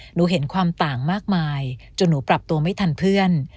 หนูเห็นความต่างมากมายจนหนูปรับตัวไม่ทันเพื่อน